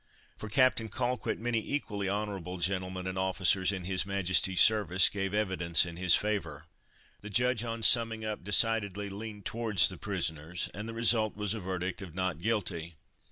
For Captain Colquitt many equally honourable gentlemen and officers in His Majesty's service gave evidence in his favour. The judge on summing up decidedly leaned towards the prisoners, and the result was a verdict of "Not Guilty."